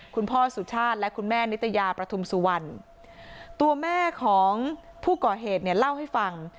คุณพ่อสุชาติและคุณแม่นิตยาประทุมสุวรรณตัวแม่ของผู้ก่อเหตุเนี่ยเล่าให้ฟัง